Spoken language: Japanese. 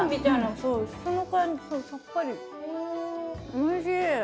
おいしい！